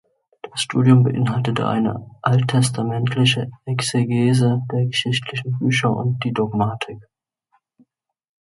Das Studium beinhaltete eine alttestamentliche Exegese der geschichtlichen Bücher und die Dogmatik.